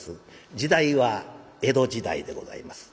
時代は江戸時代でございます。